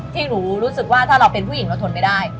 ที่หนูรู้สึกว่าถ้าเราเป็นผู้หญิงเราทนไม่ได้